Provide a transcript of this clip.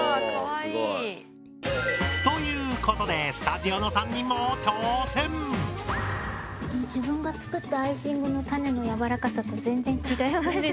すごい。ということでスタジオの３人も自分が作ったアイシングのタネの柔らかさと全然違います。